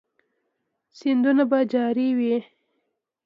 سیندونه به جاری وي؟